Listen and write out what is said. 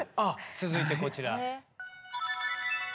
続いてこちら。